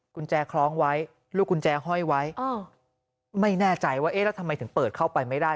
กุญแจคล้องไว้ลูกกุญแจห้อยไว้ไม่แน่ใจว่าเอ๊ะแล้วทำไมถึงเปิดเข้าไปไม่ได้